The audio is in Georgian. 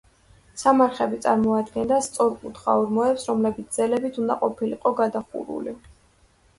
სამარხები წარმოადგენდა სწორკუთხა ორმოებს, რომლებიც ძელებით უნდა ყოფილიყო გადახურული.